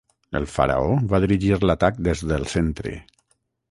El faraó va dirigir l'atac des del centre.